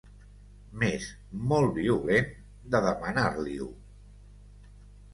M'és molt violent de demanar-li-ho.